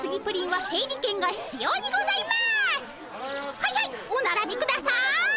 はいはいおならびください。